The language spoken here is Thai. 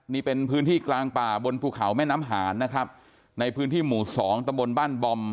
นี่เป็นพื้นที่กลางป่าบนภูเขาแม่น้ำหานนะครับในพื้นที่หมู่สองตะบนบ้านบอม